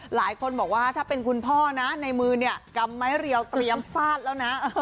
หลายคนบอกว่าถ้าเป็นคุณพ่อนะในมือเนี่ยกำไม้เรียวเตรียมฟาดแล้วนะ